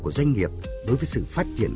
của doanh nghiệp đối với sự phát triển